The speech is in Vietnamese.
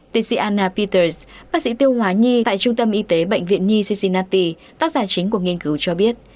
tiến sĩ anna peters bác sĩ tiêu hóa nhi tại trung tâm y tế bệnh viện nhi cincinnati tác giả chính của nghiên cứu cho biết